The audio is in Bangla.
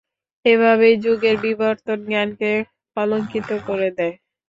এভাবেই যুগের বিবর্তন জ্ঞানকে কলংকিত করে দেয়।